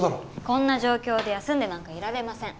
こんな状況で休んでなんかいられません。